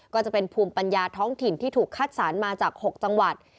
ก็จะเป็นภูมิปัญญาท้องถิ่นที่ถูกคัดสารมาจาก๖จังหวัด